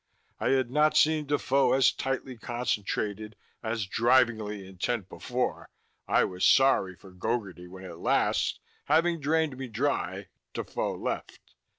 I had not seen Defoe as tightly concentrated, as drivingly intent, before. I was sorry for Gogarty when at last, having drained me dry, Defoe left.